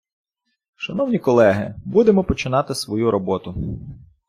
Шановні колеги, будемо починати свою роботу.